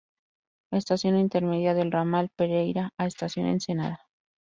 Estación intermedia del ramal Pereyra a Estación Ensenada.